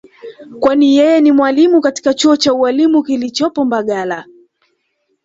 kwani yeye ni mwalimu katika chuo cha ualimu kilichopo mbagala